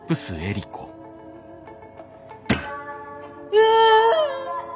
うわ！